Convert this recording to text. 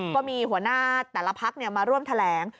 ก็มีหัวหน้าแต่ละพักมาร่วมแถลง